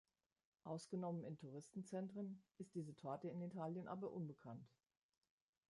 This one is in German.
Ausgenommen in Touristenzentren ist diese Torte in Italien aber unbekannt.